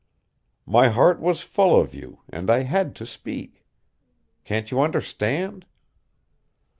My heart was full of you and I had to speak. Can't you understand?"